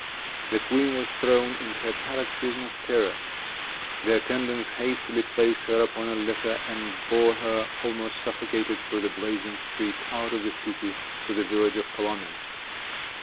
The queen was thrown into a paroxysm of terror; the attendants hastily placed her upon a litter and bore her, almost suffocated, through the blazing streets out of the city, to the village of Kolomensk.